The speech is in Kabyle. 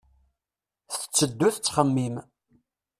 Tetteddu tettxemmim.